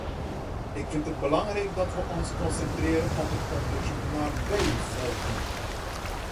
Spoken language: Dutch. Ik vind het belangrijk dat we ons concentreren op het onderzoek naar bijenvolken.